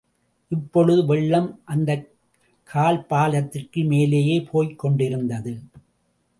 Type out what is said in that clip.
இப்பொழுது வெள்ளம் அந்தக் கல்பாலத்திற்கு மேலேயே போய்க் கொண்டிருந்தது.